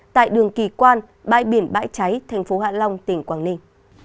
tại đường kỳ quan bãi biển bãi cháy thành phố hạ long tỉnh quảng ninh